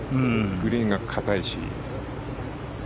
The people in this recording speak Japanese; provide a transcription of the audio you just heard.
グリーンが硬いし。